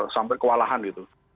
sampai kewalahan gitu